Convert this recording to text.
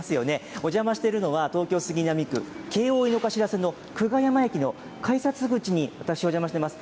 お邪魔しているのは、東京・杉並区、京王井の頭線の久我山駅の改札口に、私お邪魔しています。